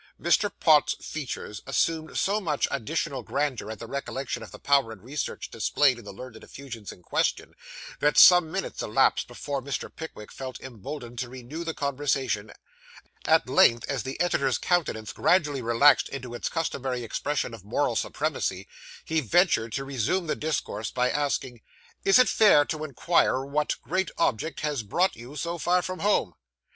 Mr. Pott's features assumed so much additional grandeur at the recollection of the power and research displayed in the learned effusions in question, that some minutes elapsed before Mr. Pickwick felt emboldened to renew the conversation; at length, as the editor's countenance gradually relaxed into its customary expression of moral supremacy, he ventured to resume the discourse by asking 'Is it fair to inquire what great object has brought you so far from home?